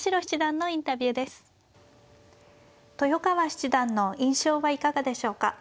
豊川七段の印象はいかがでしょうか。